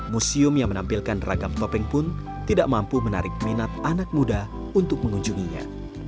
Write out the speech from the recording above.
museum yang menampilkan ragam topeng pun tidak mampu menarik minat anak muda untuk mengunjunginya